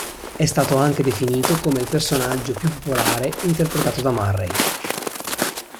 È stato anche definito come il "personaggio più popolare interpretato da Murray".